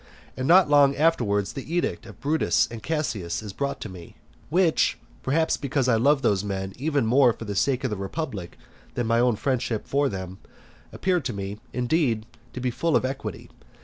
And not long afterwards the edict of Brutus and Cassius is brought to me; which (perhaps because I love those men, even more for the sake of the republic than of my own friendship for them) appeared to me, indeed, to be full of equity.